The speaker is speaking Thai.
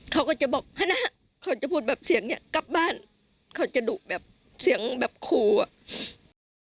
เขาก็จะบอกคณะเขาจะพูดแบบเสียงเนี้ยกลับบ้านเขาจะดุแบบเสียงแบบครูอ่ะ